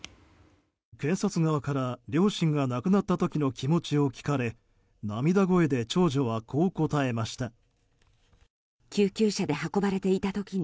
検察側から両親が亡くなった時の気持ちを聞かれ涙声で長女はこう答えました。